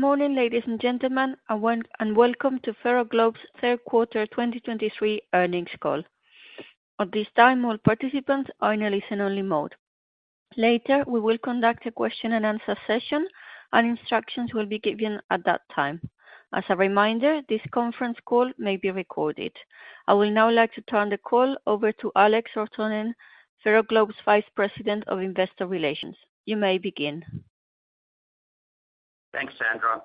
Good morning, ladies and gentlemen, and welcome to Ferroglobe's third quarter 2023 earnings call. At this time, all participants are in a listen-only mode. Later, we will conduct a question-and-answer session, and instructions will be given at that time. As a reminder, this conference call may be recorded. I will now like to turn the call over to Alex Rotonen, Ferroglobe's Vice President of Investor Relations. You may begin. Thanks, Sandra.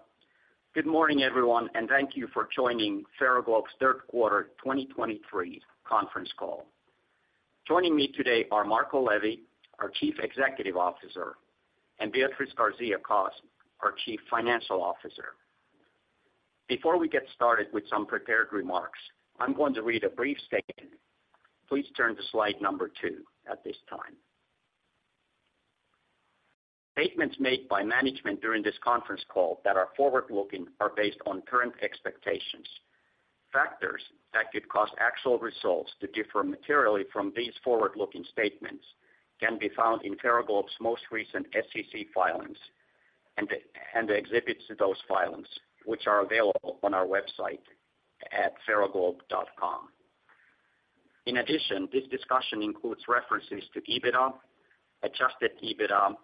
Good morning, everyone, and thank you for joining Ferroglobe's third quarter 2023 conference call. Joining me today are Marco Levi, our Chief Executive Officer, and Beatriz García-Cos, our Chief Financial Officer. Before we get started with some prepared remarks, I'm going to read a brief statement. Please turn to slide number 2 at this time. Statements made by management during this conference call that are forward-looking are based on current expectations. Factors that could cause actual results to differ materially from these forward-looking statements can be found in Ferroglobe's most recent SEC filings and the exhibits to those filings, which are available on our website at ferroglobe.com. In addition, this discussion includes references to EBITDA, adjusted EBITDA,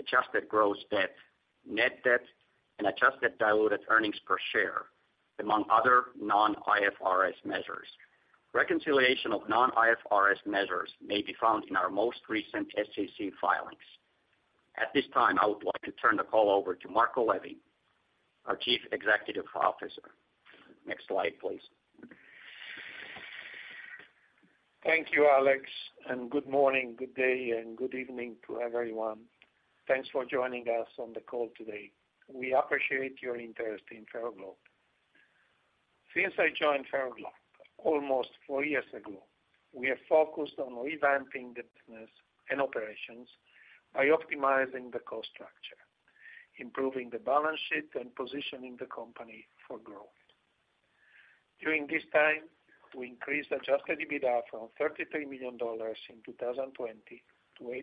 adjusted gross debt, net debt, and adjusted diluted earnings per share, among other non-IFRS measures. Reconciliation of non-IFRS measures may be found in our most recent SEC filings. At this time, I would like to turn the call over to Marco Levi, our Chief Executive Officer. Next slide, please. Thank you, Alex, and good morning, good day, and good evening to everyone. Thanks for joining us on the call today. We appreciate your interest in Ferroglobe. Since I joined Ferroglobe almost four years ago, we have focused on revamping the business and operations by optimizing the cost structure, improving the balance sheet, and positioning the company for growth. During this time, we increased Adjusted EBITDA from $33 million in 2020 to $860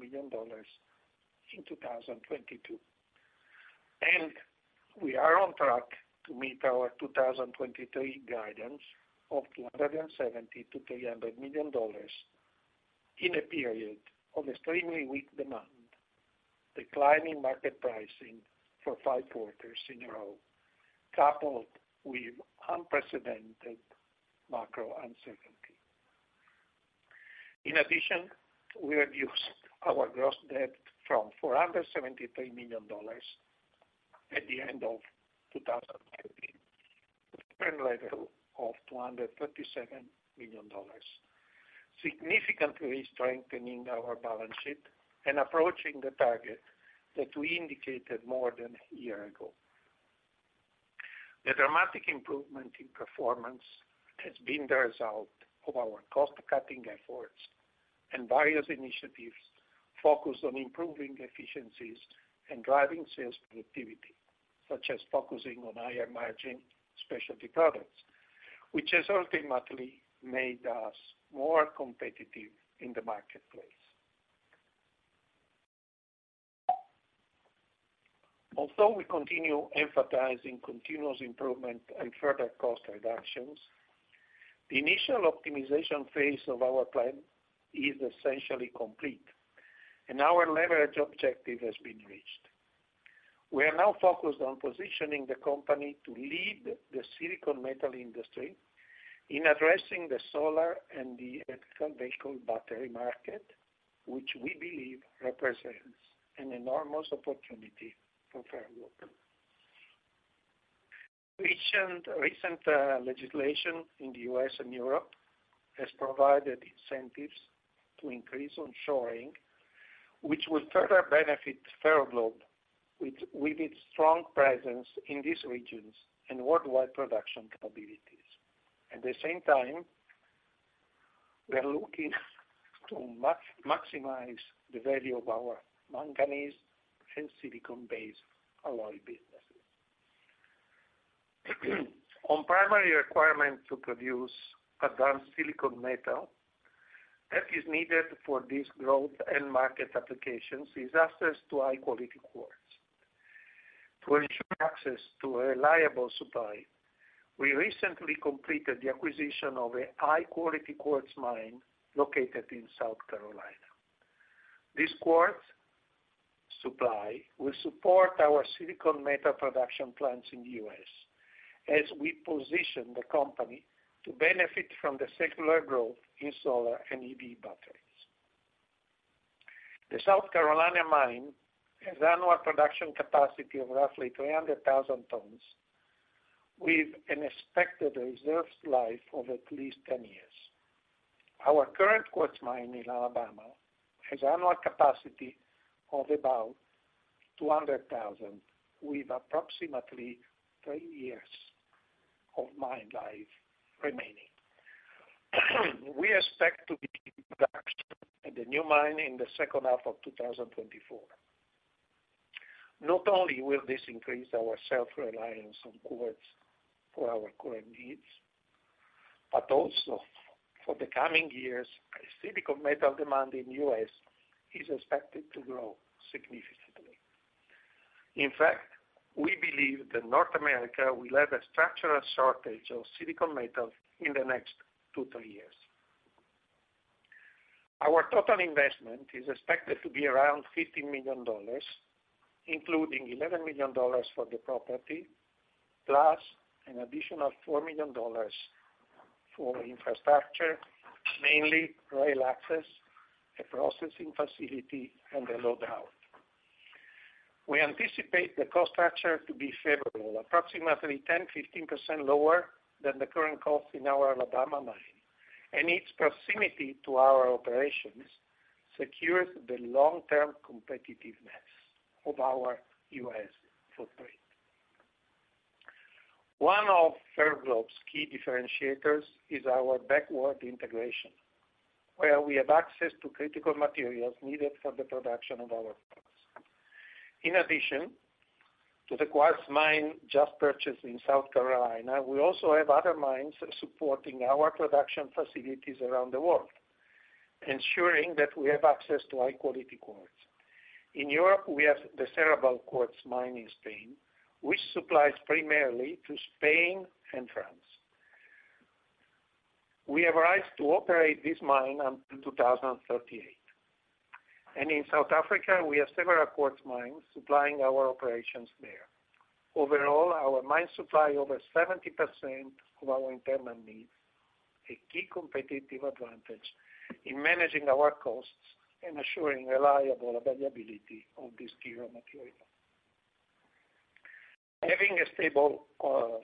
million in 2022. We are on track to meet our 2023 guidance of $270 million-$300 million in a period of extremely weak demand, declining market pricing for five quarters in a row, coupled with unprecedented macro uncertainty. In addition, we reduced our gross debt from $473 million at the end of 2019 to a current level of $237 million, significantly strengthening our balance sheet and approaching the target that we indicated more than a year ago. The dramatic improvement in performance has been the result of our cost-cutting efforts and various initiatives focused on improving efficiencies and driving sales productivity, such as focusing on higher-margin specialty products, which has ultimately made us more competitive in the marketplace. Although we continue emphasizing continuous improvement and further cost reductions, the initial optimization phase of our plan is essentially complete, and our leverage objective has been reached. We are now focused on positioning the company to lead the silicon metal industry in addressing the solar and the electric vehicle battery market, which we believe represents an enormous opportunity for Ferroglobe. Recent legislation in the U.S. and Europe has provided incentives to increase onshoring, which will further benefit Ferroglobe with its strong presence in these regions and worldwide production capabilities. At the same time, we are looking to maximize the value of our manganese and silicon-based alloy businesses. One primary requirement to produce advanced silicon metal, that is needed for these growth and market applications is access to high-quality quartz. To ensure access to a reliable supply, we recently completed the acquisition of a high-quality quartz mine located in South Carolina. This quartz supply will support our silicon metal production plants in the U.S. as we position the company to benefit from the secular growth in solar and EV batteries. The South Carolina mine has annual production capacity of roughly 300,000 tons with an expected reserves life of at least 10 years. Our current quartz mine in Alabama has annual capacity of about 200,000, with approximately 3 years of mine life remaining. We expect to begin production at the new mine in the second half of 2024. Not only will this increase our self-reliance on quartz for our current needs but also for the coming years, a silicon metal demand in U.S. is expected to grow significantly. In fact, we believe that North America will have a structural shortage of silicon metal in the next 2-3 years. Our total investment is expected to be around $15 million, including $11 million for the property, plus an additional $4 million for infrastructure, mainly rail access, a processing facility, and a loadout. We anticipate the cost structure to be favorable, approximately 10%-15% lower than the current cost in our Alabama mine, and its proximity to our operations secures the long-term competitiveness of our U.S. footprint. One of Ferroglobe's key differentiators is our backward integration, where we have access to critical materials needed for the production of our products. In addition to the quartz mine just purchased in South Carolina, we also have other mines supporting our production facilities around the world, ensuring that we have access to high-quality quartz. In Europe, we have the Serrabal quartz mine in Spain, which supplies primarily to Spain and France. We have rights to operate this mine until 2038. In South Africa, we have several quartz mines supplying our operations there. Overall, our mines supply over 70% of our internal needs, a key competitive advantage in managing our costs and ensuring reliable availability of this key raw material. Having a stable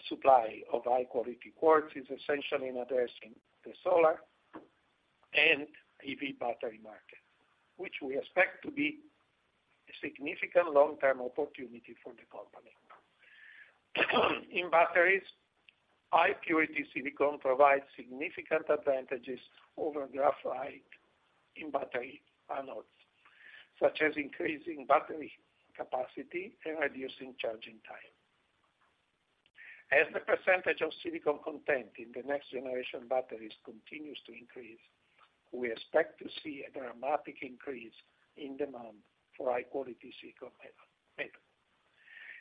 supply of high-quality quartz is essential in addressing the solar and EV battery market, which we expect to be a significant long-term opportunity for the company. In batteries, high-purity silicon provides significant advantages over graphite in battery anodes, such as increasing battery capacity and reducing charging time. As the percentage of silicon content in the next generation batteries continues to increase, we expect to see a dramatic increase in demand for high-quality silicon metal.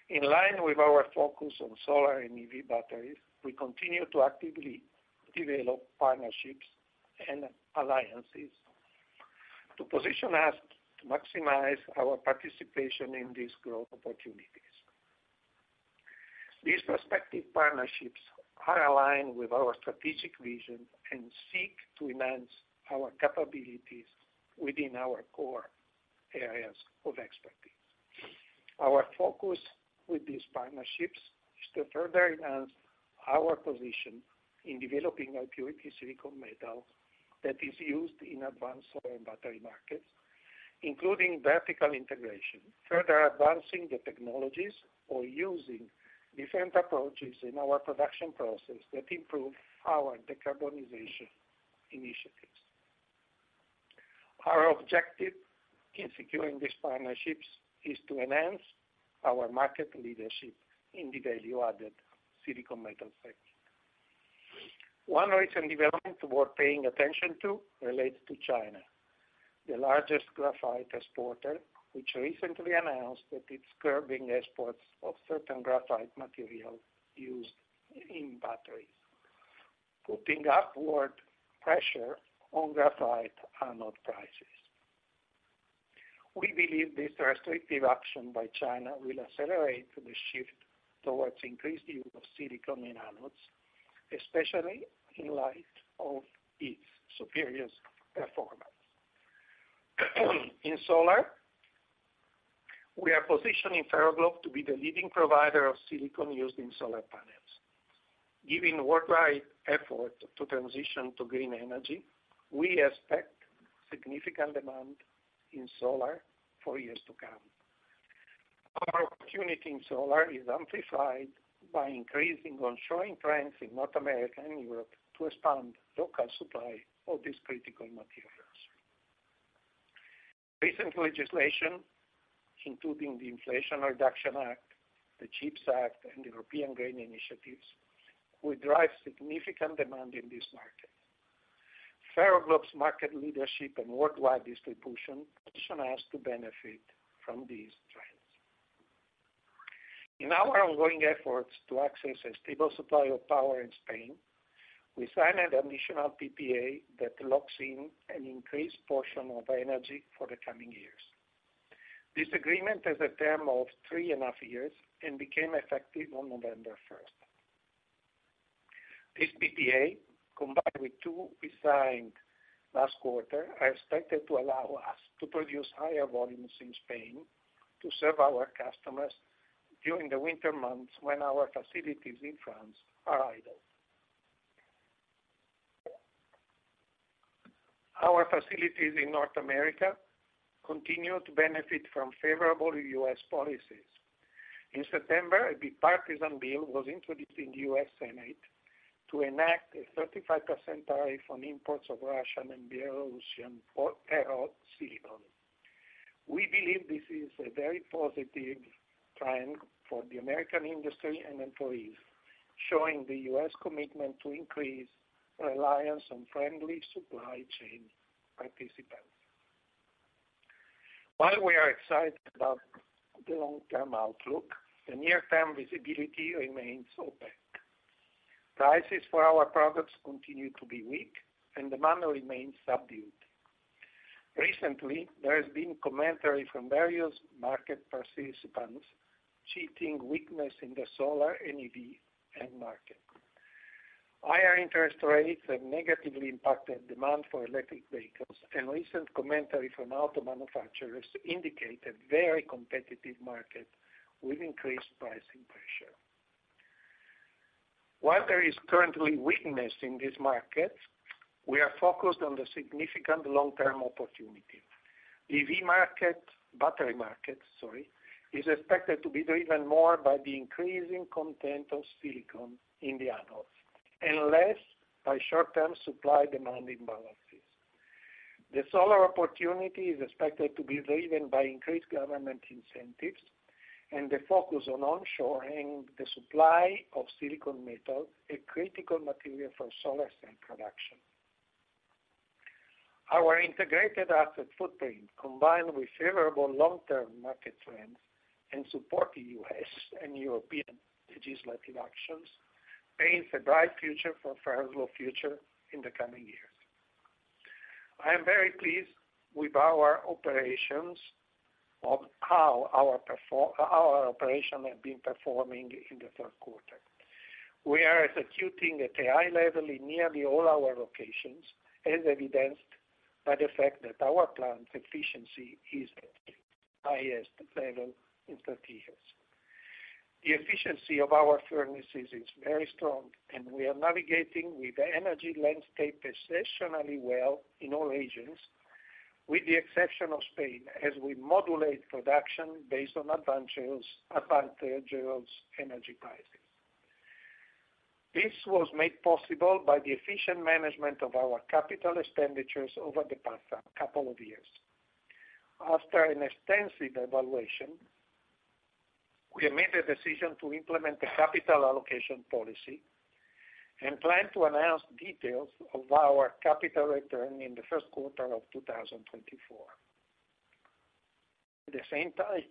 In line with our focus on solar and EV batteries, we continue to actively develop partnerships and alliances to position us to maximize our participation in these growth opportunities. These prospective partnerships are aligned with our strategic vision and seek to enhance our capabilities within our core areas of expertise. Our focus with these partnerships is to further enhance our position in developing high-purity silicon metal that is used in advanced solar and battery markets, including vertical integration, further advancing the technologies or using different approaches in our production process that improve our decarbonization initiatives. Our objective in securing these partnerships is to enhance our market leadership in the value-added silicon metal sector. One recent development worth paying attention to relates to China, the largest graphite exporter, which recently announced that it's curbing exports of certain graphite material used in batteries, putting upward pressure on graphite anode prices. We believe this restrictive action by China will accelerate the shift towards increased use of silicon in anodes, especially in light of its superior performance. In solar, we are positioning Ferroglobe to be the leading provider of silicon used in solar panels. Given worldwide effort to transition to green energy, we expect significant demand in solar for years to come. Our opportunity in solar is amplified by increasing onshoring trends in North America and Europe to expand local supply of these critical materials. Recent legislation, including the Inflation Reduction Act, the CHIPS Act, and European Green Initiatives, will drive significant demand in this market. Ferroglobe's market leadership and worldwide distribution position us to benefit from these trends. In our ongoing efforts to access a stable supply of power in Spain, we signed an additional PPA that locks in an increased portion of energy for the coming years. This agreement has a term of three and a half years and became effective on November first. This PPA, combined with two we signed last quarter, are expected to allow us to produce higher volumes in Spain to serve our customers during the winter months when our facilities in France are idle. Our facilities in North America continue to benefit from favorable U.S. policies. In September, a bipartisan bill was introduced in the U.S. Senate to enact a 35% tariff on imports of Russian and Belarusian ferrosilicon. We believe this is a very positive trend for the American industry and employees, showing the U.S. commitment to increase reliance on friendly supply chain participants. While we are excited about the long-term outlook, the near-term visibility remains open. Prices for our products continue to be weak, and demand remains subdued. Recently, there has been commentary from various market participants citing weakness in the solar and EV end market. Higher interest rates have negatively impacted demand for electric vehicles, and recent commentary from auto manufacturers indicates a very competitive market with increased pricing pressure. While there is currently weakness in this market, we are focused on the significant long-term opportunity. The EV market, battery market, sorry, is expected to be driven more by the increasing content of silicon in the anodes and less by short-term supply-demand imbalances. The solar opportunity is expected to be driven by increased government incentives and the focus on onshoring the supply of silicon metal, a critical material for solar cell production. Our integrated asset footprint, combined with favorable long-term market trends and support from the U.S. and European legislative actions, paints a bright future for Ferro's future in the coming years. I am very pleased with our operations, of how our operations have been performing in the third quarter. We are executing at a high level in nearly all our locations, as evidenced by the fact that our plant efficiency is at the highest level in 30 years. The efficiency of our furnaces is very strong, and we are navigating the energy landscape exceptionally well in all regions, with the exception of Spain, as we modulate production based on advantageous energy prices. This was made possible by the efficient management of our capital expenditures over the past couple of years. After an extensive evaluation, we have made the decision to implement a capital allocation policy and plan to announce details of our capital return in the first quarter of 2024. At the same time,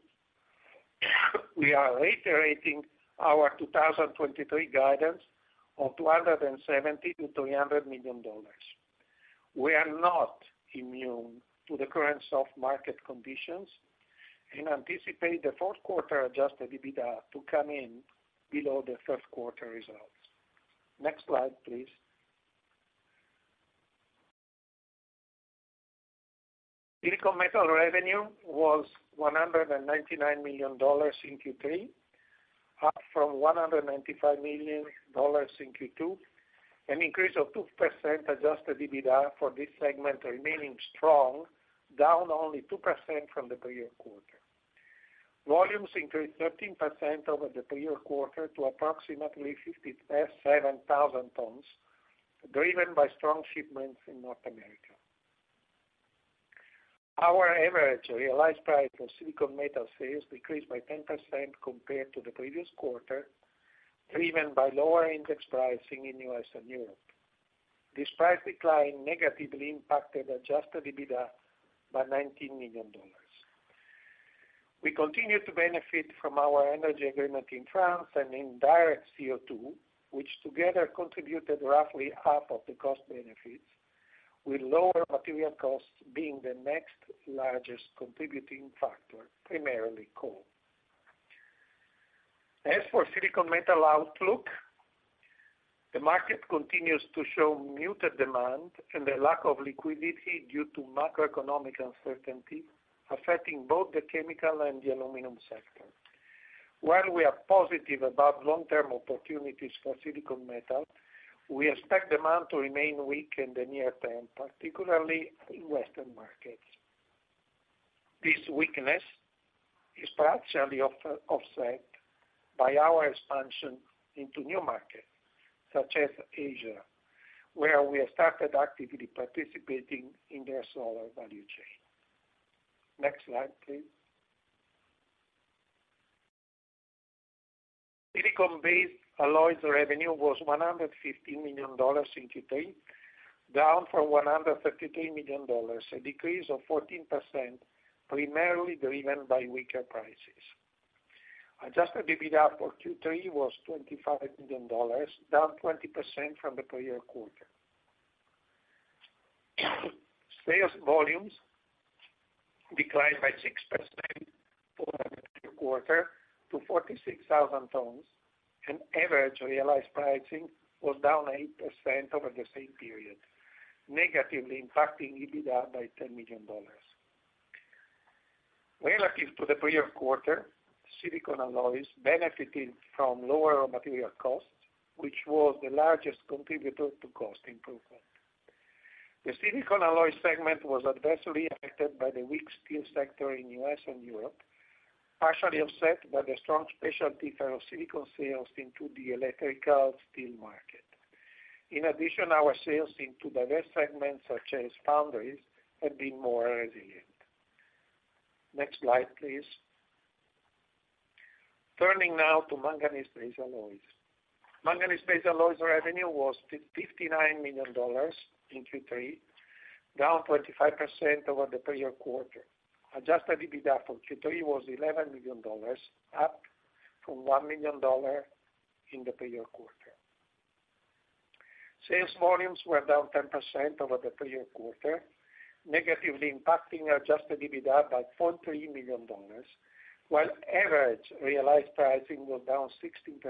we are reiterating our 2023 guidance of $270 million-$300 million. We are not immune to the current soft market conditions and anticipate the fourth quarter Adjusted EBITDA to come in below the third quarter results. Next slide, please. Silicon metal revenue was $199 million in Q3, up from $195 million in Q2, an increase of 2%, Adjusted EBITDA for this segment remaining strong, down only 2% from the prior quarter. Volumes increased 13% over the prior quarter to approximately 57,000 tons, driven by strong shipments in North America. Our average realized price for silicon metal sales decreased by 10% compared to the previous quarter, driven by lower index pricing in U.S. and Europe. This price decline negatively impacted Adjusted EBITDA by $19 million. We continue to benefit from our energy agreement in France and in direct CO2, which together contributed roughly half of the cost benefits, with lower material costs being the next largest contributing factor, primarily coal. As for silicon metal outlook, the market continues to show muted demand and a lack of liquidity due to macroeconomic uncertainty, affecting both the chemical and the aluminum sector. While we are positive about long-term opportunities for silicon metal, we expect demand to remain weak in the near term, particularly in Western markets. This weakness is partially offset by our expansion into new markets, such as Asia, where we have started actively participating in their solar value chain. Next slide, please. Silicon-based alloys revenue was $150 million in Q3, down from $133 million, a decrease of 14%, primarily driven by weaker prices. Adjusted EBITDA for Q3 was $25 million, down 20% from the prior quarter. Sales volumes declined by 6% from the quarter to 46,000 tons, and average realized pricing was down 8% over the same period, negatively impacting EBITDA by $10 million. Relative to the prior quarter, silicon alloys benefited from lower material costs, which was the largest contributor to cost improvement. The silicon alloy segment was adversely affected by the weak steel sector in U.S. and Europe, partially offset by the strong specialty ferrosilicon sales into the electrical steel market. In addition, our sales into diverse segments, such as foundries, have been more resilient. Next slide, please. Turning now to manganese-based alloys. Manganese-based alloys revenue was $59 million in Q3, down 25% over the prior quarter. Adjusted EBITDA for Q3 was $11 million, up from $1 million in the prior quarter. Sales volumes were down 10% over the prior quarter, negatively impacting our adjusted EBITDA by $43 million, while average realized pricing was down 16%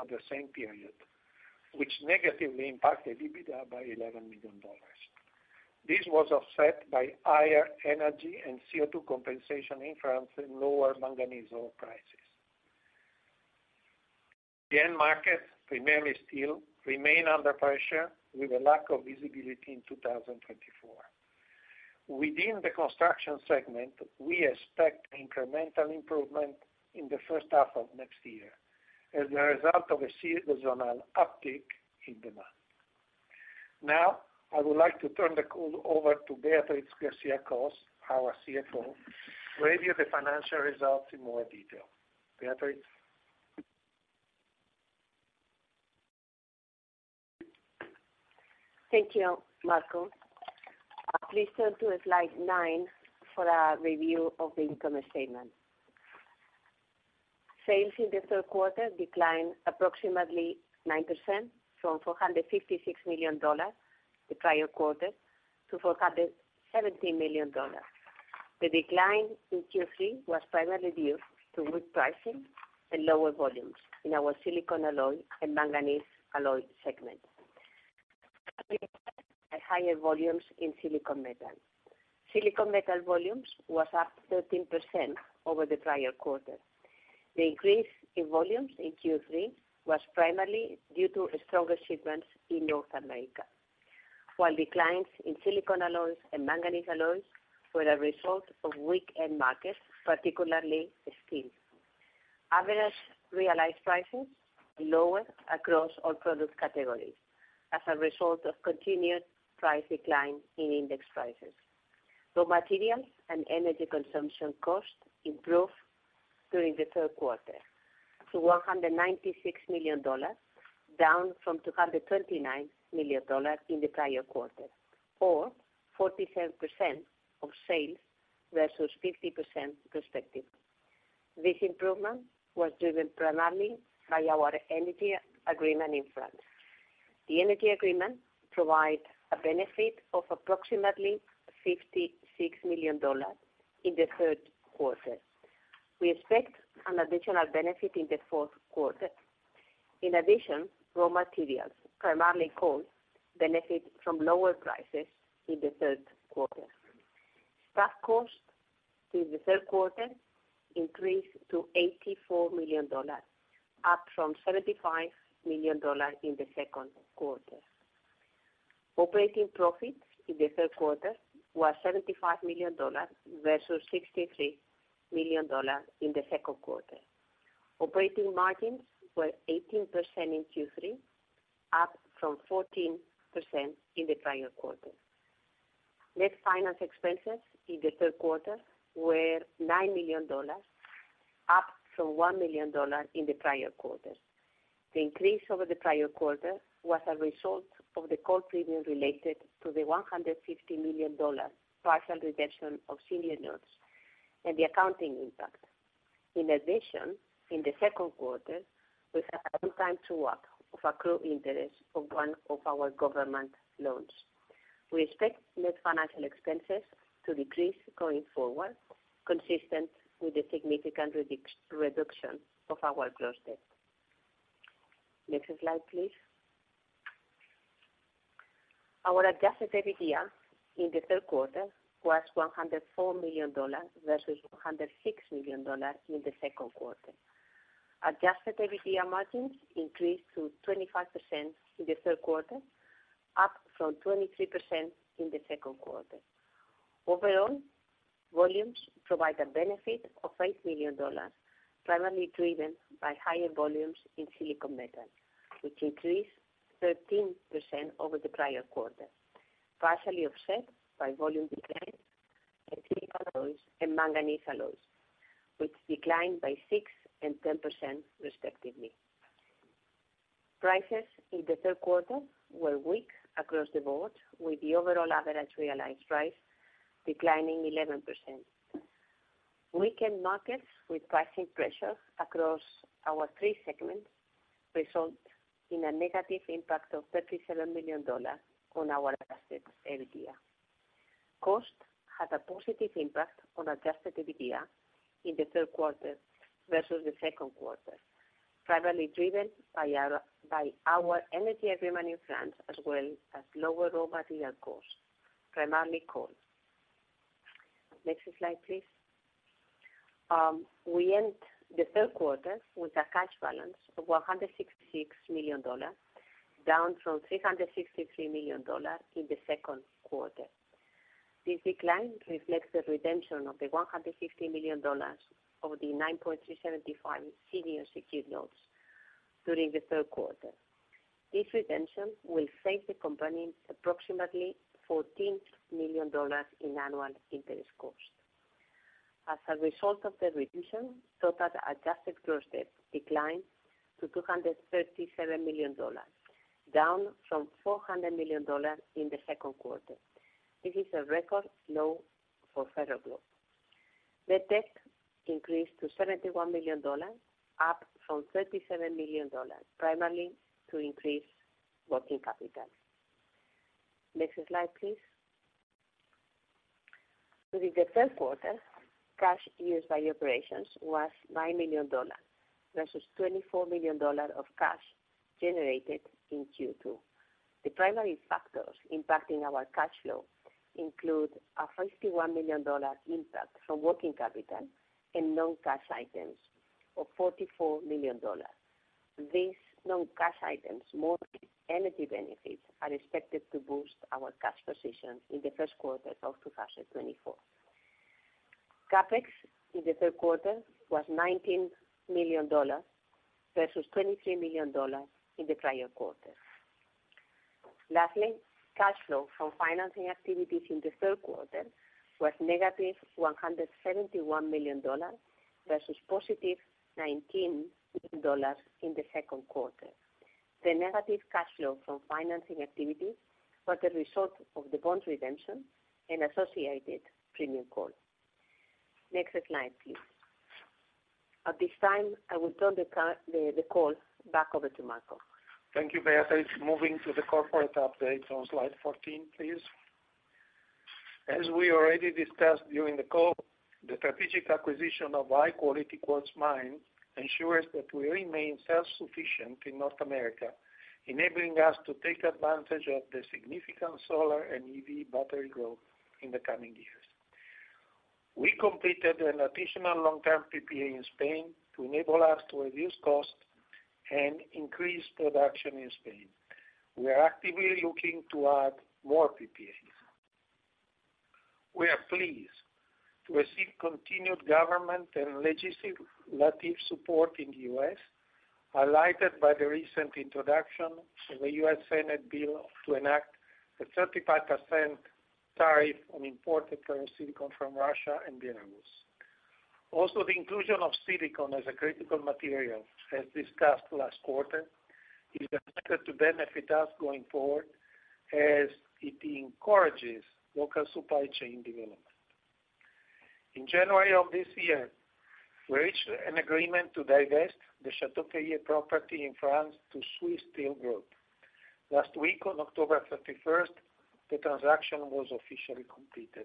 over the same period, which negatively impacted EBITDA by $11 million. This was offset by higher energy and CO2 compensation in France and lower manganese ore prices. The end markets, primarily steel, remain under pressure with a lack of visibility in 2024. Within the construction segment, we expect incremental improvement in the first half of next year as a result of a seasonal uptick in demand. Now, I would like to turn the call over to Beatriz García-Cos, our CFO, to review the financial results in more detail. Beatriz? Thank you, Marco. Please turn to slide 9 for a review of the income statement. Sales in the third quarter declined approximately 9% from $456 million the prior quarter to $417 million. The decline in Q3 was primarily due to weak pricing and lower volumes in our silicon alloy and manganese alloy segment. Higher volumes in silicon metal. Silicon metal volumes was up 13% over the prior quarter. The increase in volumes in Q3 was primarily due to stronger shipments in North America, while declines in silicon alloys and manganese alloys were a result of weak end markets, particularly steel. Average realized prices were lower across all product categories as a result of continued price decline in index prices. Raw materials and energy consumption costs improved during the third quarter to $196 million, down from $229 million in the prior quarter, or 47% of sales versus 50% respectively. This improvement was driven primarily by our energy agreement in France. The energy agreement provides a benefit of approximately $56 million in the third quarter. We expect an additional benefit in the fourth quarter. In addition, raw materials, primarily coal, benefited from lower prices in the third quarter. Staff costs in the third quarter increased to $84 million, up from $75 million in the second quarter. Operating profits in the third quarter were $75 million versus $63 million in the second quarter. Operating margins were 18% in Q3, up from 14% in the prior quarter. Net finance expenses in the third quarter were $9 million, up from $1 million in the prior quarter. The increase over the prior quarter was a result of the call premium related to the $150 million partial redemption of senior notes and the accounting impact. In addition, in the second quarter, we had a one-time true-up of accrued interest of one of our government loans. We expect net financial expenses to decrease going forward, consistent with the significant reduction of our gross debt. Next slide, please. Our Adjusted EBITDA in the third quarter was $104 million versus $106 million in the second quarter. Adjusted EBITDA margins increased to 25% in the third quarter, up from 23% in the second quarter. Overall, volumes provide a benefit of $8 million, primarily driven by higher volumes in silicon metal, which increased 13% over the prior quarter, partially offset by volume declines in silicon alloys and manganese alloys, which declined by 6% and 10%, respectively. Prices in the third quarter were weak across the board, with the overall average realized price declining 11%. Weakened markets with pricing pressure across our three segments result in a negative impact of $37 million on our Adjusted EBITDA. Cost had a positive impact on Adjusted EBITDA in the third quarter versus the second quarter, primarily driven by our energy agreement in France, as well as lower raw material costs, primarily coal. Next slide, please. We end the third quarter with a cash balance of $166 million, down from $363 million in the second quarter. This decline reflects the redemption of $150 million of the 9.375% senior secured notes during the third quarter. This redemption will save the company approximately $14 million in annual interest cost. As a result of the reduction, total adjusted gross debt declined to $237 million, down from $400 million in the second quarter. This is a record low for Ferroglobe. Net debt increased to $71 million, up from $37 million, primarily to increase working capital. Next slide, please. During the third quarter, cash used by operations was $9 million, versus $24 million of cash generated in Q2. The primary factors impacting our cash flow include a $51 million impact from working capital and non-cash items of $44 million. These non-cash items, more energy benefits, are expected to boost our cash position in the first quarter of 2024. CapEx in the third quarter was $19 million, versus $23 million in the prior quarter. Lastly, cash flow from financing activities in the third quarter was negative $171 million versus positive $19 million in the second quarter. The negative cash flow from financing activities was a result of the bond redemption and associated premium call. Next slide, please. At this time, I will turn the call back over to Marco. Thank you, Beatriz. Moving to the corporate update on slide 14, please. As we already discussed during the call, the strategic acquisition of high-quality quartz mine ensures that we remain self-sufficient in North America, enabling us to take advantage of the significant solar and EV battery growth in the coming years. We completed an additional long-term PPA in Spain to enable us to reduce costs and increase production in Spain. We are actively looking to add more PPAs. We are pleased to receive continued government and legislative support in the U.S., highlighted by the recent introduction of the U.S. Senate bill to enact a 35% tariff on imported silicon from Russia and Belarus. Also, the inclusion of silicon as a critical material, as discussed last quarter, is expected to benefit us going forward as it encourages local supply chain development. In January of this year, we reached an agreement to divest the Châteaubriant property in France to Swiss Steel Group. Last week, on October 31st, the transaction was officially completed.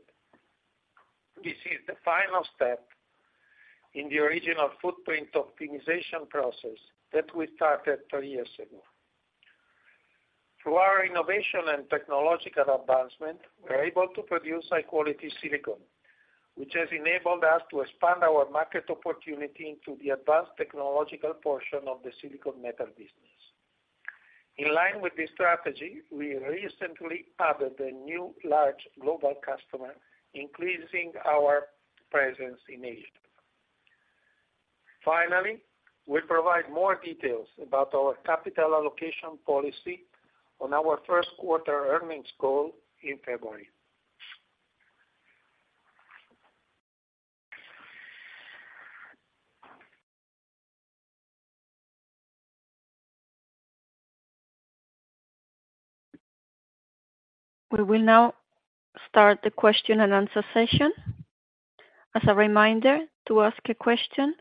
This is the final step in the original footprint optimization process that we started 3 years ago. Through our innovation and technological advancement, we're able to produce high-quality silicon, which has enabled us to expand our market opportunity into the advanced technological portion of the silicon metal business. In line with this strategy, we recently added a new large global customer, increasing our presence in Asia. Finally, we provide more details about our capital allocation policy on our first quarter earnings call in February. We will now start the question and answer session. As a reminder, to ask a question,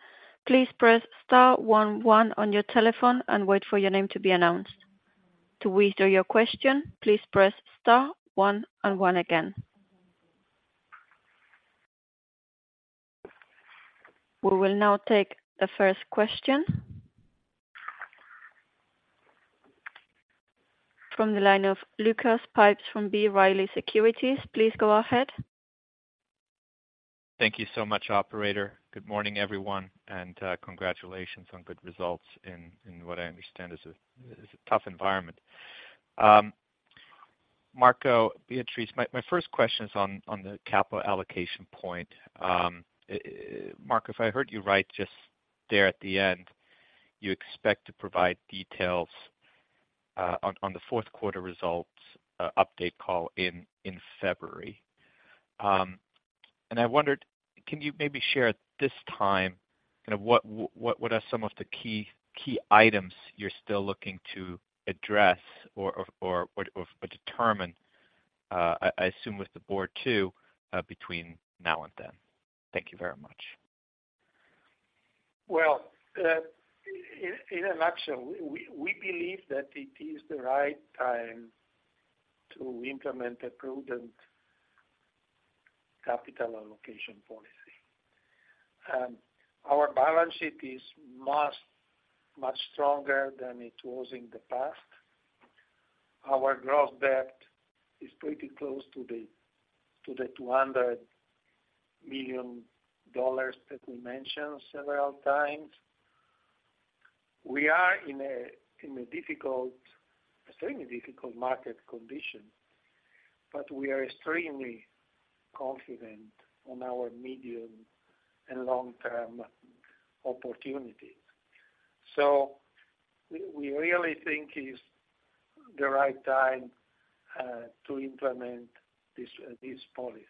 please press star one, one on your telephone and wait for your name to be announced. To withdraw your question, please press star one and one again. We will now take the first question. From the line of Lucas Pipes from B. Riley Securities. Please go ahead. Thank you so much, operator. Good morning, everyone, and congratulations on good results in what I understand is a tough environment. Marco, Beatrice, my first question is on the capital allocation point. Marco, if I heard you right, just there at the end, you expect to provide details on the fourth quarter results update call in February. And I wondered, can you maybe share at this time, kind of what, what are some of the key items you're still looking to address or determine, I assume with the board, too, between now and then? Thank you very much. Well, in a nutshell, we believe that it is the right time to implement a prudent capital allocation policy. Our balance sheet is much stronger than it was in the past. Our gross debt is pretty close to the $200 million that we mentioned several times. We are in a difficult, extremely difficult market condition, but we are extremely confident on our medium- and long-term opportunities. So we really think is the right time to implement this policy.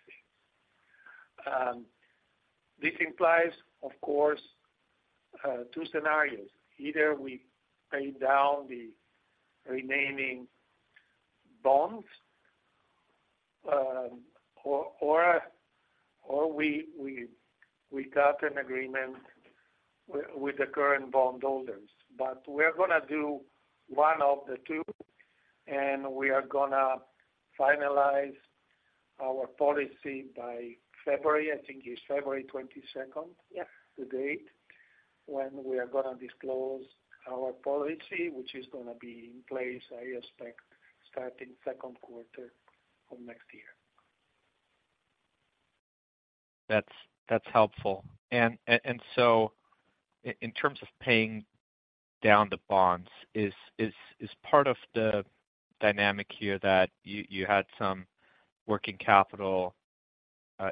This implies, of course, two scenarios. Either we pay down the remaining bonds, or we got an agreement with the current bondholders. But we're gonna do one of the two, and we are gonna finalize our policy by February, I think it's February twenty-second- Yeah. the date when we are gonna disclose our policy, which is gonna be in place, I expect, starting second quarter of next year. That's helpful. And so in terms of paying down the bonds, is part of the dynamic here that you had some working capital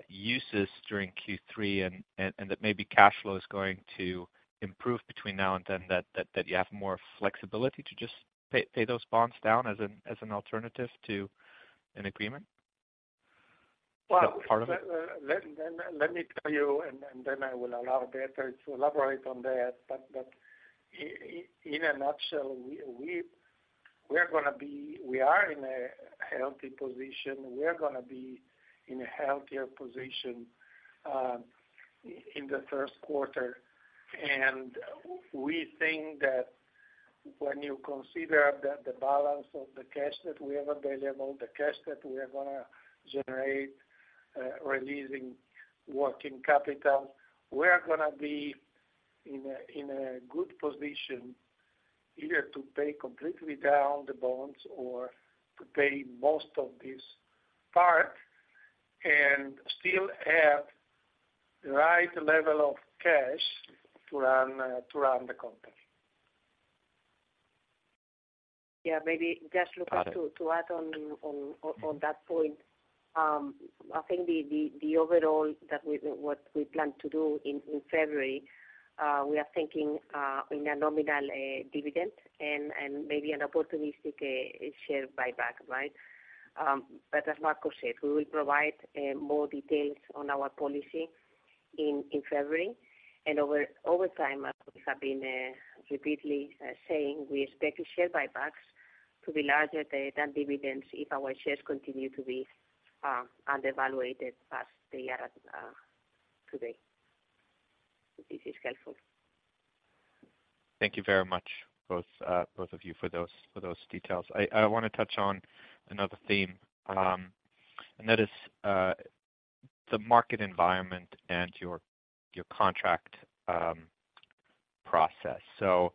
uses during Q3, and that maybe cash flow is going to improve between now and then, that you have more flexibility to just pay those bonds down as an alternative to an agreement? Well- Part of it. Let me tell you, and then I will allow Beatriz to elaborate on that. But in a nutshell, we're gonna be in a healthy position. We are gonna be in a healthier position in the first quarter. And we think that when you consider the balance of the cash that we have available, the cash that we are gonna generate, releasing working capital, we are gonna be in a good position either to pay completely down the bonds or to pay most of this part and still have the right level of cash to run the company. Yeah, maybe just Lucas- Got it. To add on to that point. I think overall what we plan to do in February, we are thinking in a nominal dividend and maybe an opportunistic share buyback, right? But as Marco said, we will provide more details on our policy in February. And over time, as we have been repeatedly saying, we expect the share buybacks to be larger than dividends if our shares continue to be undervalued as they are today. If this is helpful. Thank you very much, both of you for those details. I wanna touch on another theme, and that is the market environment and your contract process. So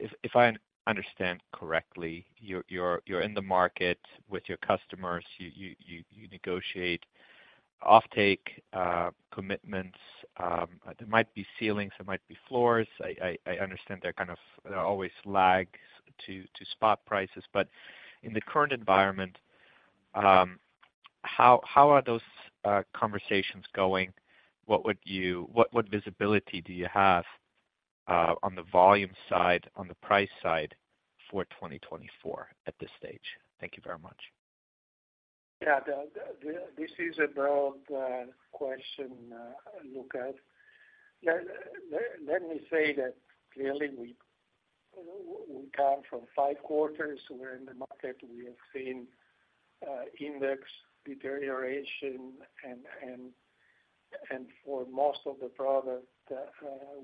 if I understand correctly, you're in the market with your customers. You negotiate offtake commitments. There might be ceilings, there might be floors. I understand there kind of are always lags to spot prices. But in the current environment, how are those conversations going? What visibility do you have on the volume side, on the price side for 2024 at this stage? Thank you very much. Yeah, this is a broad question, Lucas. Let me say that clearly, we come from five quarters. We're in the market. We have seen index deterioration, and for most of the product,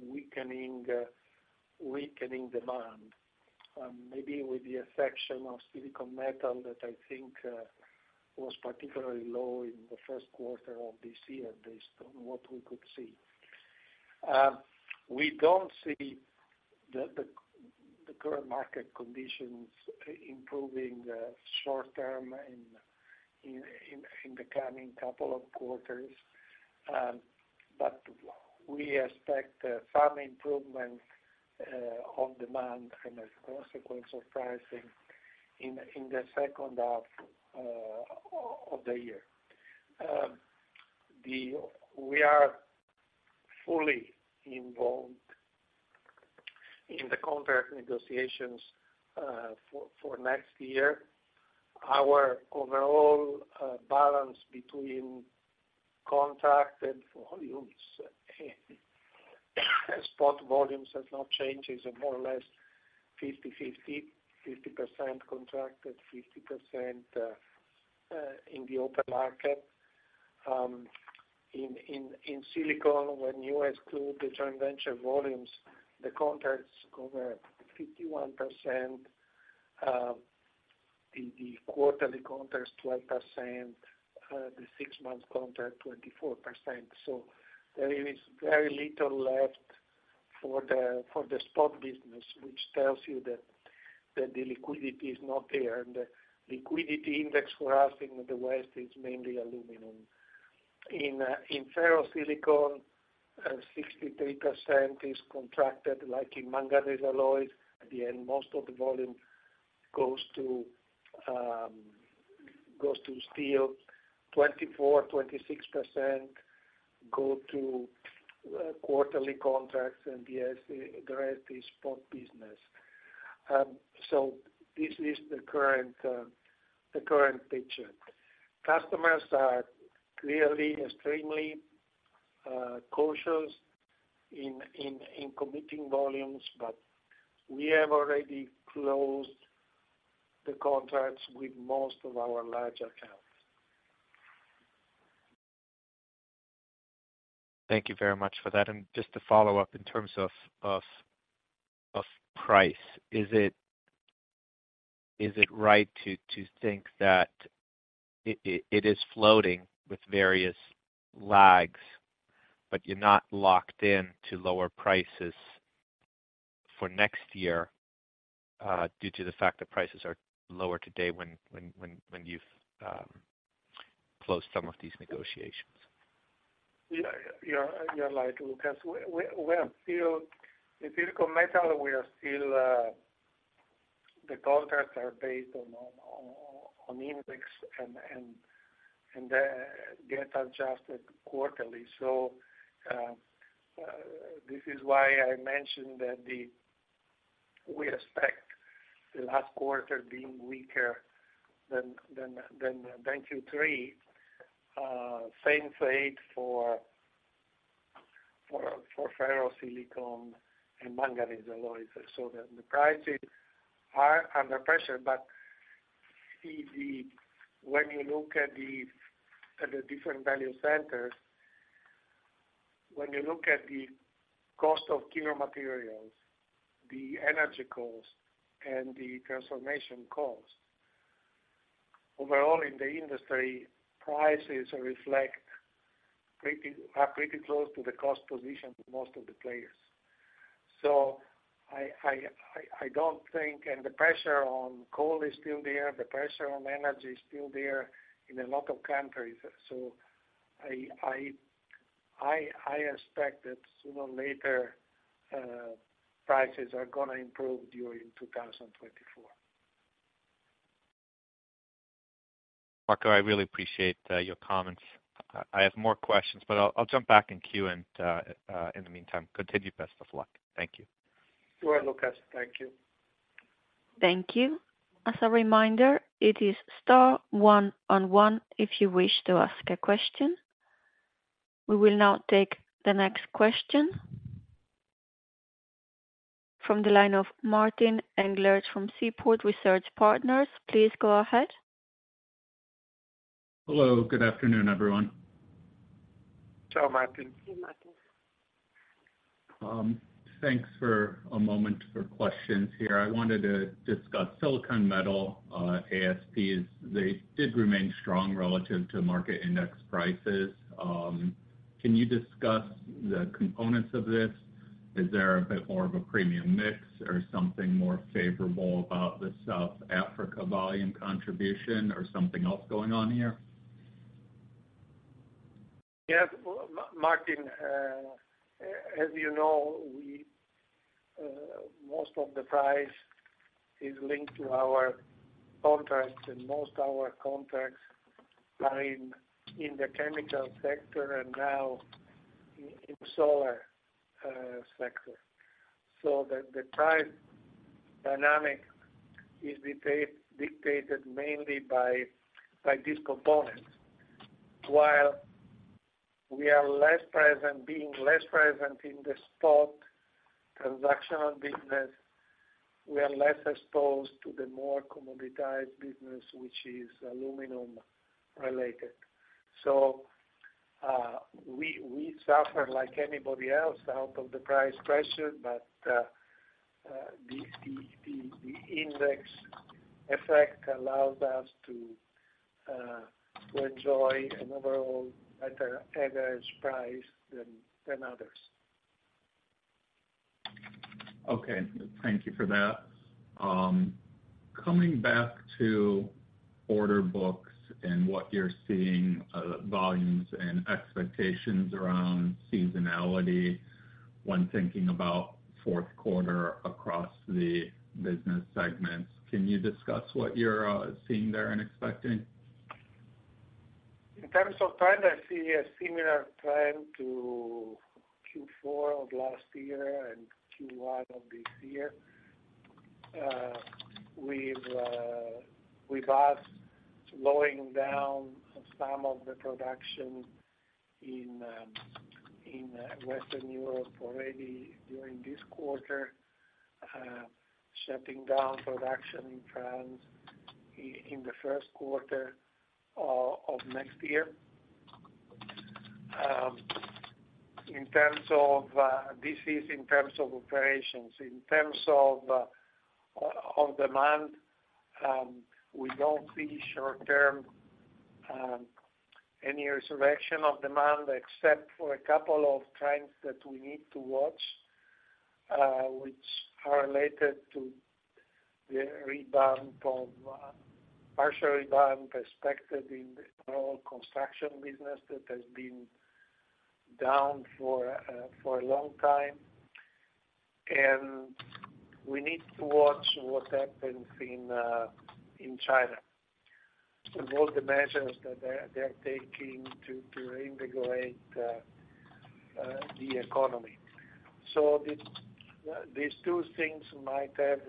weakening demand, maybe with the exception of silicon metal, that I think was particularly low in the first quarter of this year based on what we could see. We don't see the current market conditions improving short term in the coming couple of quarters. But we expect some improvement on demand and as a consequence of pricing in the second half of the year. We are fully involved in the contract negotiations for next year. Our overall balance between contracted volumes, spot volumes has not changed. It's more or less 50/50, 50% contracted, 50% in the open market. In silicon, when you exclude the joint venture volumes, the contracts cover 51%, the quarterly contracts, 12%, the six months contract, 24%. So there is very little left for the spot business, which tells you that the liquidity is not there, and the liquidity index for us in the West is mainly aluminum in ferrosilicon, 63% is contracted, like in manganese alloys. At the end, most of the volume goes to steel. 24%-26% go to quarterly contracts, and the rest is spot business. So this is the current picture. Customers are clearly extremely cautious in committing volumes, but we have already closed the contracts with most of our large accounts. Thank you very much for that. And just to follow up, in terms of price, is it right to think that it is floating with various lags, but you're not locked in to lower prices for next year, due to the fact that prices are lower today when you've closed some of these negotiations? Yeah, you're right, Lucas. We are still in silicon metal; we are still. The contracts are based on index and get adjusted quarterly. So, this is why I mentioned that we expect the last quarter being weaker than Q3. Same fate for ferrosilicon and manganese alloys. So the prices are under pressure, but when you look at the different value centers, when you look at the cost of key raw materials, the energy cost, and the transformation cost, overall in the industry, prices reflect pretty are pretty close to the cost position of most of the players. So I don't think. And the pressure on coal is still there, the pressure on energy is still there in a lot of countries. So I expect that sooner or later, prices are gonna improve during 2024. Marco, I really appreciate your comments. I have more questions, but I'll jump back in queue, and in the meantime, continue. Best of luck. Thank you. Sure, Lucas. Thank you. Thank you. As a reminder, it is star one on one if you wish to ask a question. We will now take the next question from the line of Martin Englert from Seaport Research Partners. Please go ahead. Hello, good afternoon, everyone. Ciao, Martin. Hey, Martin. Thanks for a moment for questions here. I wanted to discuss silicon metal, ASPs. They did remain strong relative to market index prices. Can you discuss the components of this? Is there a bit more of a premium mix or something more favorable about the South Africa volume contribution or something else going on here? Yes, Martin, as you know, we, most of the price is linked to our contracts, and most our contracts are in the chemical sector and now in solar sector. So the price dynamic is dictated mainly by these components. While we are less present, being less present in the spot transactional business, we are less exposed to the more commoditized business, which is aluminum related. So, we suffer like anybody else out of the price pressure, but the index effect allows us to enjoy an overall better average price than others. Okay. Thank you for that. Coming back to order books and what you're seeing, volumes and expectations around seasonality when thinking about fourth quarter across the business segments, can you discuss what you're seeing there and expecting? In terms of trend, I see a similar trend to Q4 of last year and Q1 of this year. We've asked slowing down some of the production in Western Europe already during this quarter, shutting down production in France in the first quarter of next year. This is in terms of operations. In terms of demand, we don't see short term any resurrection of demand, except for a couple of trends that we need to watch, which are related to the rebound of partial rebound perspective in the overall construction business that has been down for a long time. And we need to watch what happens in China, and all the measures that they're taking to reinvigorate the economy. So these two things might have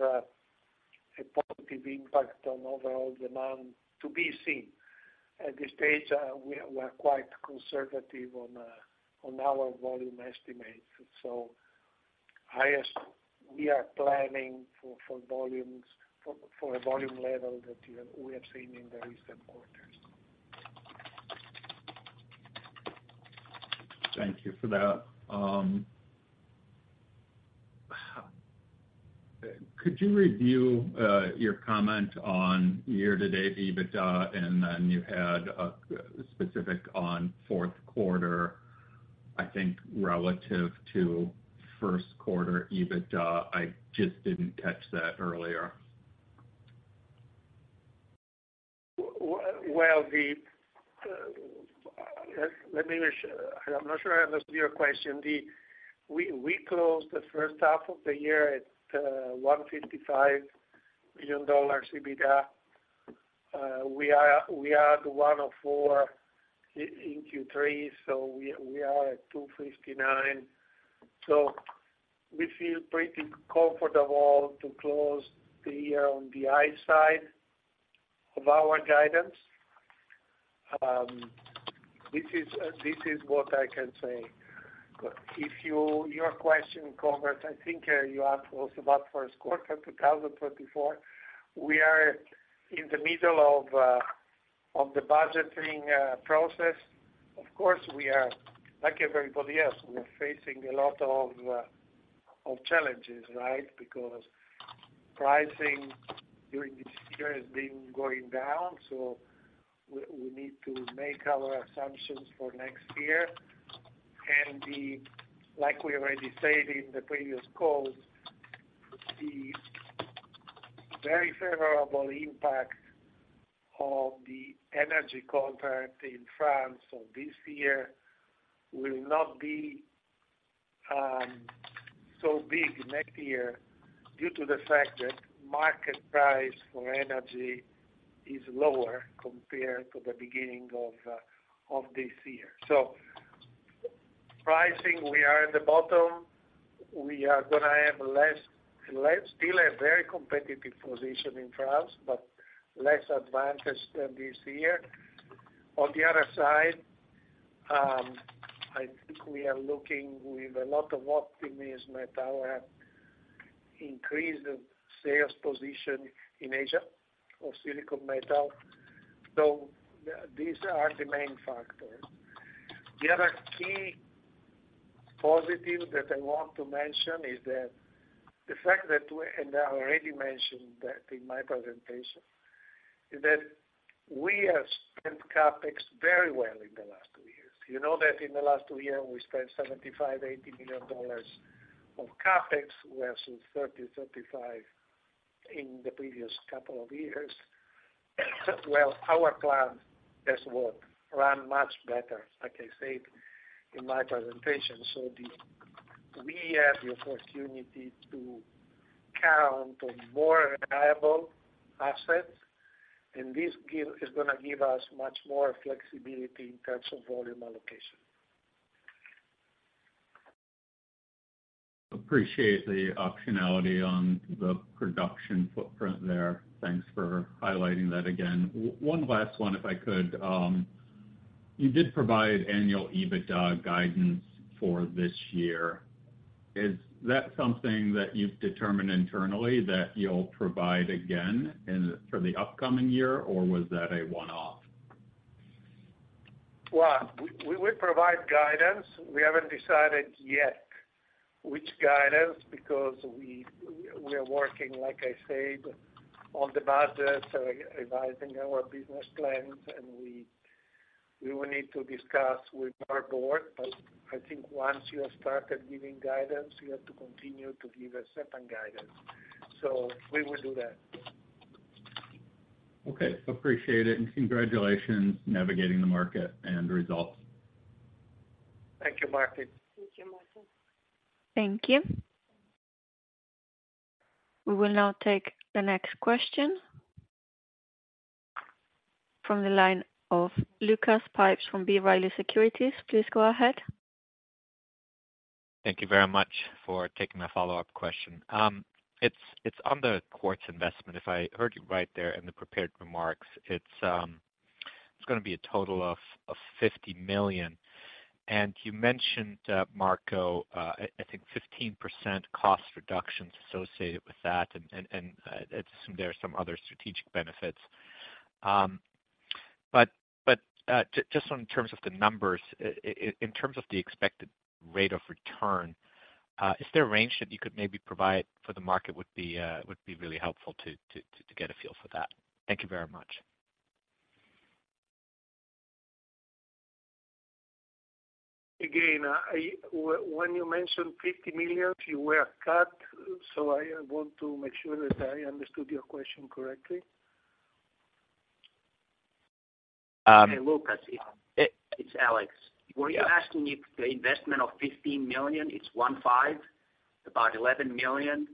a positive impact on overall demand to be seen. At this stage, we're quite conservative on our volume estimates. So we are planning for volumes for a volume level that we have seen in the recent quarters. Thank you for that. Could you review your comment on year-to-date EBITDA, and then you had a specific on fourth quarter, I think, relative to first quarter EBITDA? I just didn't catch that earlier. Well, let me make sure. I'm not sure I understood your question. We closed the first half of the year at $155 million EBITDA. We are at 104 in Q3, so we are at 259. So we feel pretty comfortable to close the year on the high side of our guidance. This is what I can say. But if your question covers, I think, you asked also about first quarter 2024. We are in the middle of the budgeting process. Of course, we are, like everybody else, we're facing a lot of challenges, right? Because pricing during this year has been going down, so we need to make our assumptions for next year. Like we already said in the previous calls, the very favorable impact of the energy contract in France of this year will not be so big next year, due to the fact that market price for energy is lower compared to the beginning of this year. So pricing, we are at the bottom. We are gonna have less. Still a very competitive position in France, but less advantage than this year. On the other side, I think we are looking with a lot of optimism at our increased sales position in Asia, of silicon metal. So these are the main factors. The other key positive that I want to mention is that the fact that we, and I already mentioned that in my presentation, is that we have spent CapEx very well in the last two years. You know that in the last 2 years, we spent $75 million-$80 million of CapEx, versus $30 million-$35 million in the previous couple of years. Well, our plan has worked, run much better, like I said in my presentation. So we have the opportunity to count on more viable assets, and this is gonna give us much more flexibility in terms of volume allocation. Appreciate the optionality on the production footprint there. Thanks for highlighting that again. Oh, one last one, if I could. You did provide annual EBITDA guidance for this year. Is that something that you've determined internally that you'll provide again in, for the upcoming year, or was that a one-off? Well, we will provide guidance. We haven't decided yet which guidance, because we are working, like I said, on the budget, revising our business plans, and we will need to discuss with our board. But I think once you have started giving guidance, you have to continue to give a certain guidance. So we will do that. Okay, appreciate it, and congratulations, navigating the market and the results. Thank you, Martin. Thank you, Martin. Thank you. We will now take the next question from the line of Lucas Pipes from B. Riley Securities. Please go ahead. Thank you very much for taking my follow-up question. It's on the quartz investment, if I heard you right there in the prepared remarks. It's gonna be a total of $50 million. And you mentioned, Marco, I think 15% cost reductions associated with that, and there are some other strategic benefits. But just on terms of the numbers, I, in terms of the expected rate of return, is there a range that you could maybe provide for the market would be, would be really helpful to get a feel for that? Thank you very much.... Again, I, when you mentioned $50 million, you were cut, so I want to make sure that I understood your question correctly. Hey, Lucas, it's Alex. Were you asking if the investment of $15 million, it's 15, about $11 million?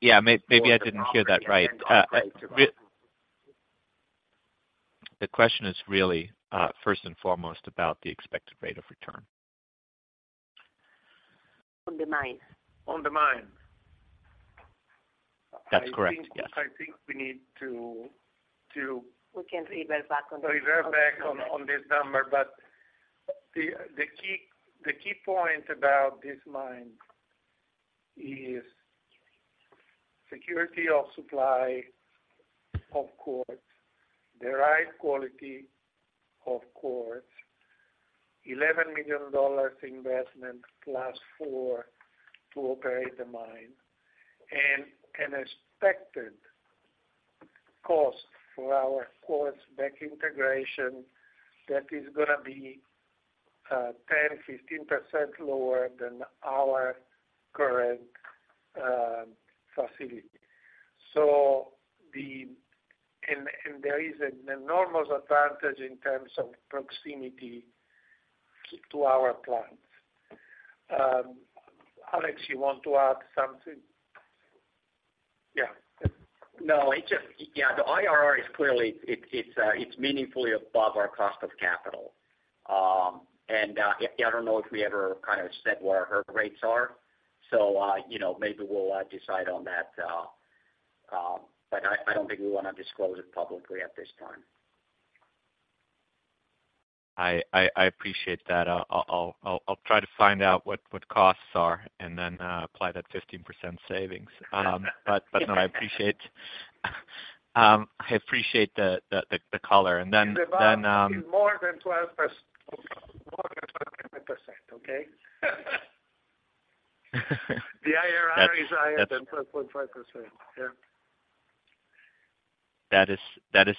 Yeah, maybe I didn't hear that right. The question is really, first and foremost, about the expected rate of return. On the mine. On the mine. That's correct, yes. I think we need to. We can revert back on this. Revert back on this number, but the key point about this mine is security of supply, of course, the right quality, of course, $11 million investment plus $4 million to operate the mine, and an expected cost for our quartz backward integration that is gonna be 10%-15% lower than our current facility. So... and there is an enormous advantage in terms of proximity to our plants. Alex, you want to add something? Yeah. No, it just, yeah, the IRR is clearly, it's meaningfully above our cost of capital. I don't know if we ever kind of said what our rates are. So, you know, maybe we'll decide on that, but I don't think we want to disclose it publicly at this time. I appreciate that. I'll try to find out what costs are and then apply that 15% savings. But no, I appreciate the color. And then More than 12%, more than 12.5%. Okay? The IRR is higher than 12.5%. Yeah. That is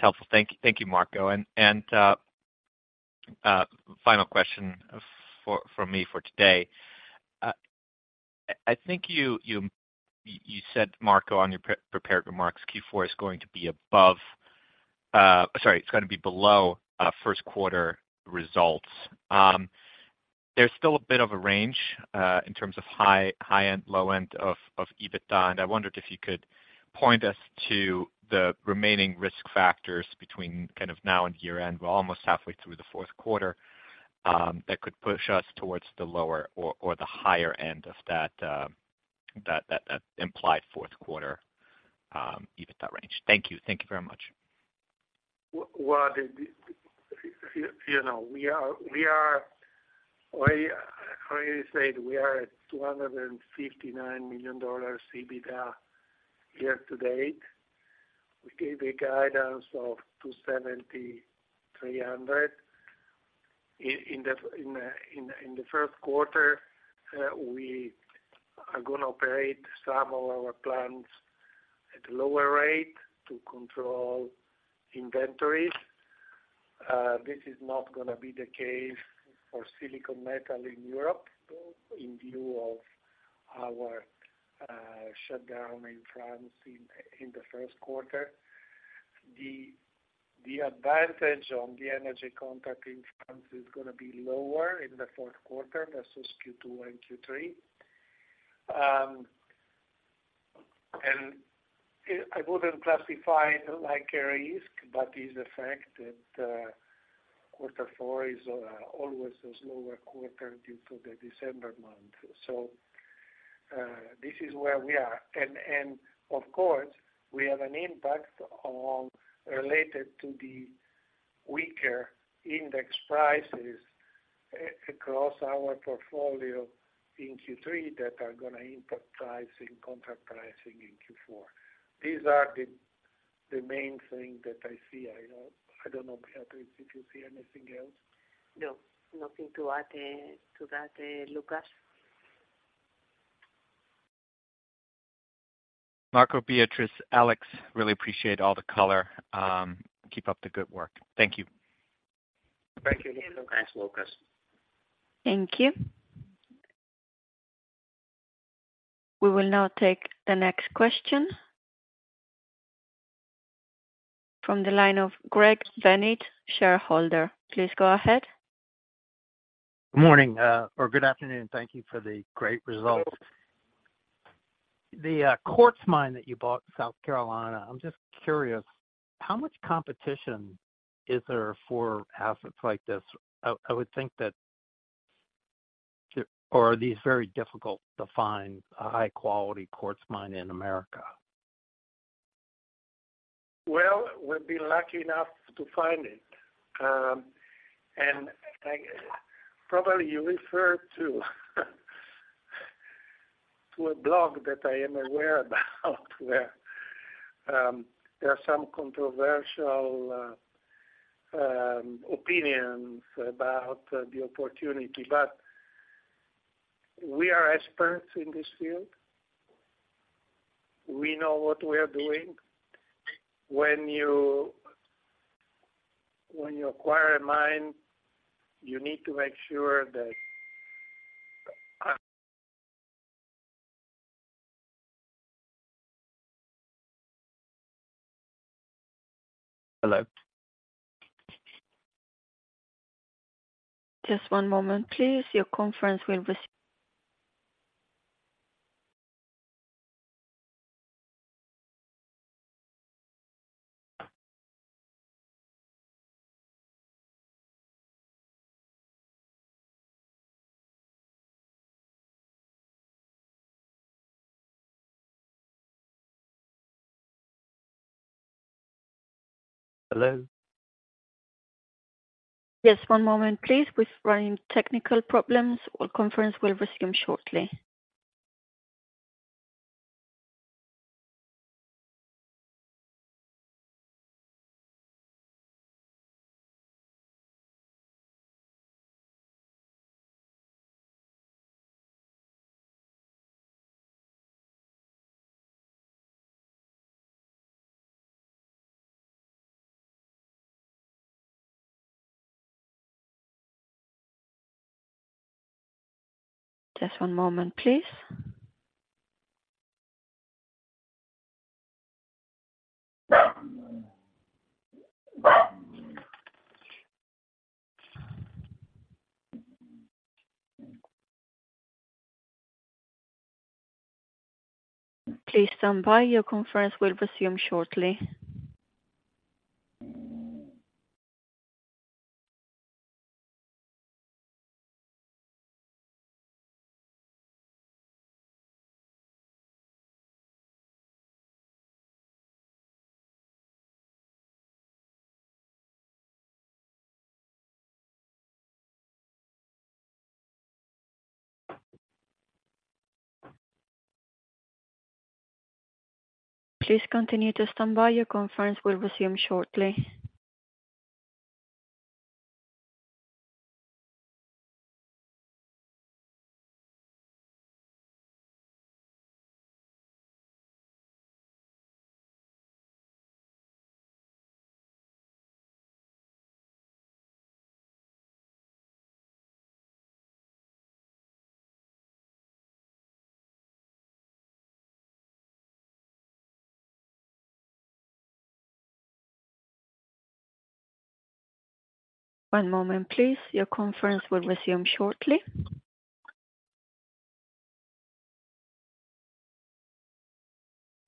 helpful. Thank you, Marco. And final question from me for today. I think you said, Marco, on your pre-prepared remarks, Q4 is going to be above, sorry, it's gonna be below first quarter results. There's still a bit of a range in terms of high end, low end of EBITDA, and I wondered if you could point us to the remaining risk factors between kind of now and year-end. We're almost halfway through the fourth quarter that could push us towards the lower or the higher end of that implied fourth quarter EBITDA range. Thank you very much. Well, you know, we are at $259 million EBITDA year to date. We gave a guidance of $270 million-$300 million. In the first quarter, we are gonna operate some of our plants at a lower rate to control inventories. This is not gonna be the case for silicon metal in Europe, in view of our shutdown in France in the first quarter. The advantage on the energy contract in France is gonna be lower in the fourth quarter versus Q2 and Q3. And, I wouldn't classify it like a risk, but is the fact that quarter four is always a slower quarter due to the December month. So, this is where we are. Of course, we have an impact related to the weaker index prices across our portfolio in Q3 that are gonna impact pricing, contract pricing in Q4. These are the main thing that I see. I don't know, Beatriz, if you see anything else. No, nothing to add, to that, Lucas. Marco, Beatriz, Alex, really appreciate all the color. Keep up the good work. Thank you. Thank you. Thanks, Lucas. Thank you. We will now take the next question. From the line of Greg Bennett, shareholder. Please go ahead. Good morning, or good afternoon. Thank you for the great results. The quartz mine that you bought in South Carolina, I'm just curious, how much competition is there for assets like this? I would think that, or are these very difficult to find a high-quality quartz mine in America? Well, we've been lucky enough to find it. Probably, you refer to a blog that I am aware about, where there are some controversial opinions about the opportunity. But we are experts in this field. We know what we are doing. When you acquire a mine, you need to make sure that— Hello? Just one moment, please. Your conference will resume. Hello? Just one moment, please. We're running technical problems. Our conference will resume shortly. Just one moment, please. Please stand by, your conference will resume shortly. Please continue to stand by, your conference will resume shortly. One moment, please. Your conference will resume shortly.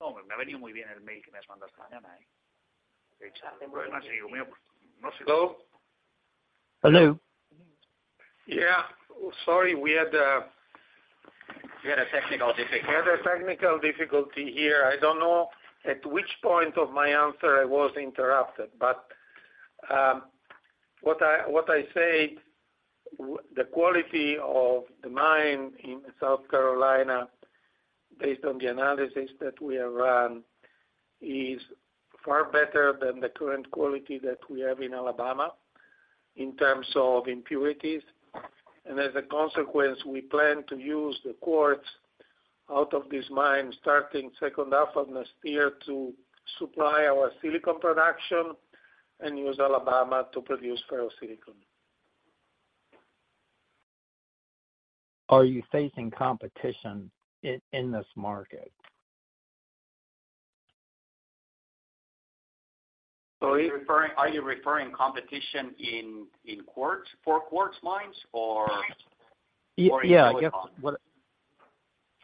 Hello? Hello. Yeah. Sorry, we had a- We had a technical difficulty. We had a technical difficulty here. I don't know at which point of my answer I was interrupted, but what I say, the quality of the mine in South Carolina, based on the analysis that we have run, is far better than the current quality that we have in Alabama, in terms of impurities. And as a consequence, we plan to use the quartz out of this mine, starting second half of this year, to supply our silicon production and use Alabama to produce ferrosilicon. Are you facing competition in this market? So are you- Are you referring to competition in quartz for quartz mines or- Yeah, I guess.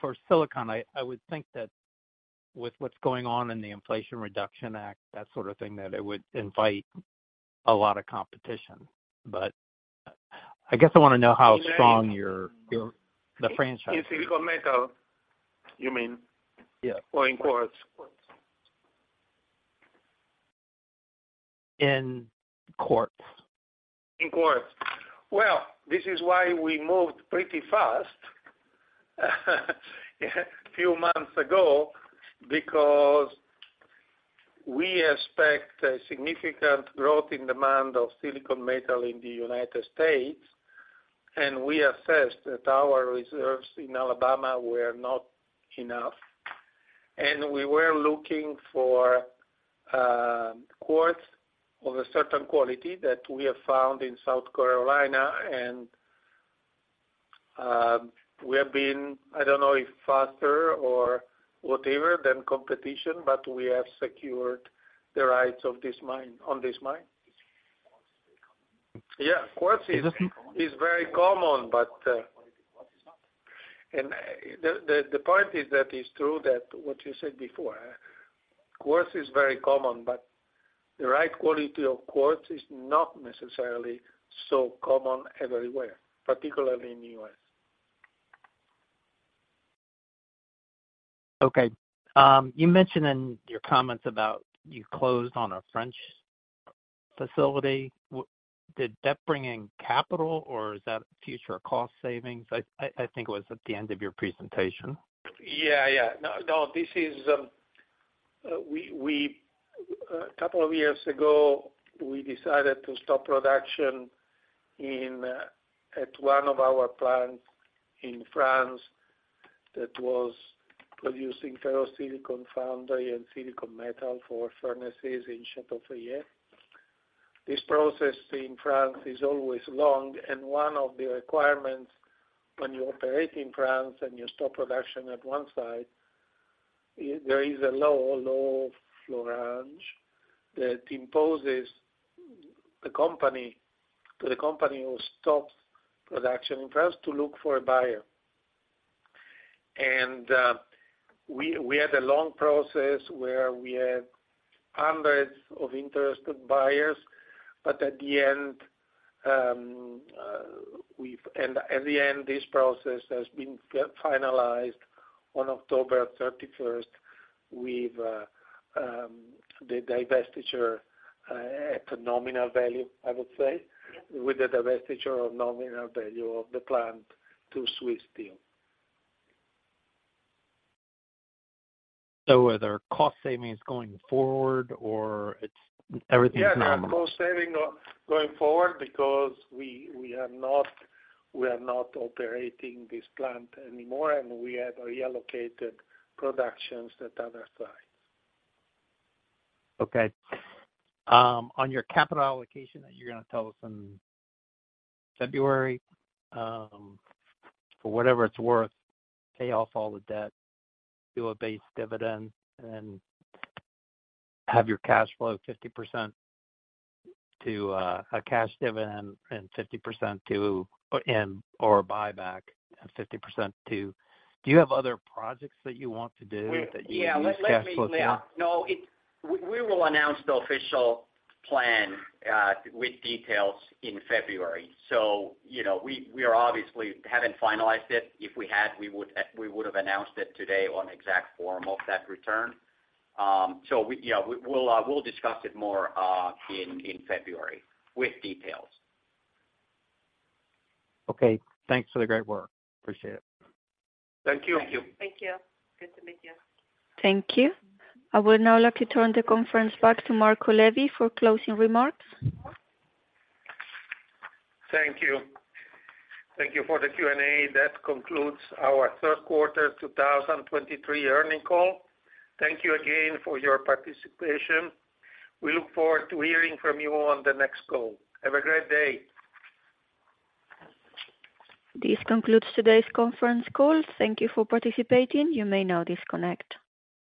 For silicon, I would think that with what's going on in the Inflation Reduction Act, that sort of thing, that it would invite a lot of competition. But I guess I wanna know how strong your franchise is. In silicon metal, you mean? Yeah. Or in Quartz? In quartz. In quartz. Well, this is why we moved pretty fast, a few months ago, because we expect a significant growth in demand of silicon metal in the United States, and we assessed that our reserves in Alabama were not enough. And we were looking for quartz of a certain quality that we have found in South Carolina, and we have been, I don't know, faster or whatever than competition, but we have secured the rights of this mine, on this mine. Yeah, quartz is very common, but and the point is that it's true that what you said before, quartz is very common, but the right quality of quartz is not necessarily so common everywhere, particularly in the US. Okay. You mentioned in your comments about you closed on a French facility. Did that bring in capital, or is that future cost savings? I think it was at the end of your presentation. Yeah, yeah. No, no, this is, we, we, a couple of years ago, we decided to stop production in, at one of our plants in France that was producing ferrosilicon foundry and silicon metal for furnaces in Châteaubriant. This process in France is always long, and one of the requirements when you operate in France and you stop production at one site, is there is a Loi Florange that imposes the company, to the company who stops production in France to look for a buyer. And, we, we had a long process where we had hundreds of interested buyers, but at the end, and at the end, this process has been finalized on October thirty-first, with, the divestiture, at a nominal value, I would say, with the divestiture of nominal value of the plant to Swiss Steel. So are there cost savings going forward or it's everything's nominal? Yeah, cost saving going forward, because we, we are not, we are not operating this plant anymore, and we have reallocated productions at other sites. Okay. On your capital allocation that you're gonna tell us in February, for whatever it's worth, pay off all the debt, do a base dividend, and then have your cash flow 50% to a cash dividend and 50% to, or, and, or buy back and 50% to... Do you have other projects that you want to do, that you use cash flow for? Yeah. No, we will announce the official plan with details in February. So, you know, we are obviously haven't finalized it. If we had, we would have announced it today on exact form of that return. So, yeah, we'll discuss it more in February with details. Okay. Thanks for the great work. Appreciate it. Thank you. Thank you. Thank you. Good to meet you. Thank you. I would now like to turn the conference back to Marco Levi for closing remarks. Thank you. Thank you for the Q&A. That concludes our third quarter 2023 earnings call. Thank you again for your participation. We look forward to hearing from you on the next call. Have a great day. This concludes today's conference call. Thank you for participating. You may now disconnect.